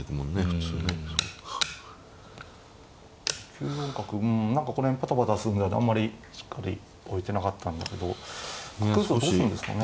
９四角うん何かこの辺バタバタするのであんまりしっかり追えてなかったんだけど角打つとどうするんですかね。